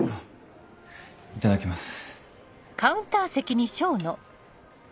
いただきます。